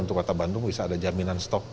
untuk kota bandung bisa ada jaminan stok